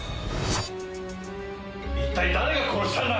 一体誰が殺したんだ！